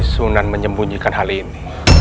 sunan menyembunyikan hal ini